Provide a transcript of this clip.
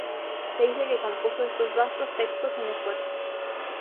Se dice que compuso estos vastos textos sin esfuerzo.